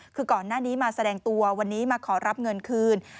คือก่อนหน้านี้มาแสดงตัววันนี้มาขอรับเงินคืน